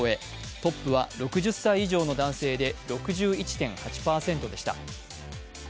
トップは６０歳以上の男性で６１．８％でした。